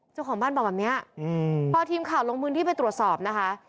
เจ้าของบ้านบอกแบบนี้พอทีมข่าวลงพื้นที่ไปตรวจสอบนะคะ